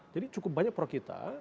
jadi cukup banyak produk kita